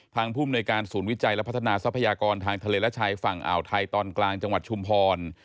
ภูมิในการศูนย์วิจัยและพัฒนาทรัพยากรทางทะเลและชายฝั่งอ่าวไทยตอนกลางจังหวัดชุมพร